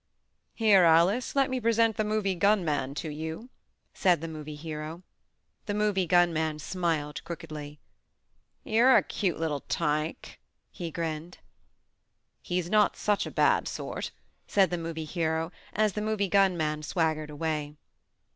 "Here, Alice, let me present the Movie Cunman to you," said the Movie Hero. The Movie Gunman smiled crookedly. "Yer a cute little tike," he grinned. "He's not such a bad sort," said the Movie Hero as the Movie Gunman swag gered away.